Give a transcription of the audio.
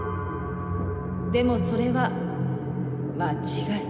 でもそれは間違い。